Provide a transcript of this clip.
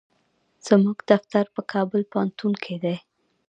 زموږ دفتر په کابل پوهنتون کې دی.